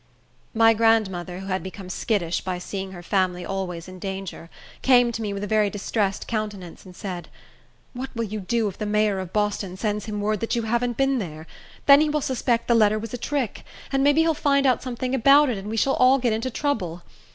My grandmother, who had become skittish by seeing her family always in danger, came to me with a very distressed countenance, and said, "What will you do if the mayor of Boston sends him word that you haven't been there? Then he will suspect the letter was a trick; and maybe he'll find out something about it, and we shall all get into trouble.